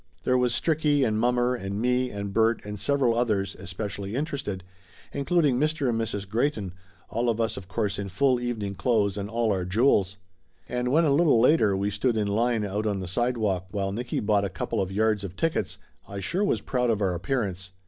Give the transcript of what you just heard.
There was Stricky and mommer and me and Bert and several others especially interested, including Mr. and Mrs. Greyton, all of us of course in full evening clothes and all our jewels. And when a little later we stood in line out on the sidewalk while Nicky bought a couple of yards of tickets I sure was proud of our ap pearance.